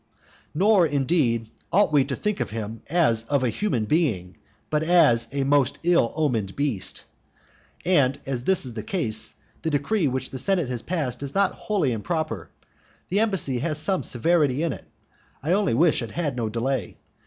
Nor, indeed, ought we to think of him as of a human being, but as of a most ill omened beast. And as this is the case, the decree which the senate has passed is not wholly improper. The embassy has some severity in it; I only wish it had no delay.